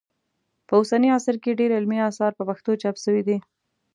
په اوسني عصر کې ډېر علمي اثار په پښتو چاپ سوي دي